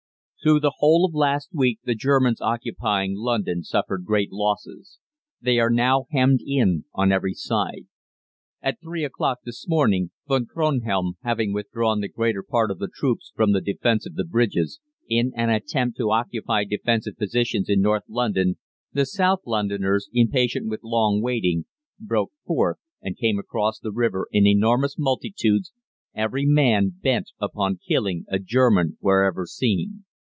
"Through the whole of last week the Germans occupying London suffered great losses. They are now hemmed in on every side. "At three o'clock this morning, Von Kronhelm, having withdrawn the greater part of the troops from the defence of the bridges, in an attempt to occupy defensive positions in North London, the South Londoners, impatient with long waiting, broke forth and came across the river in enormous multitudes, every man bent upon killing a German wherever seen.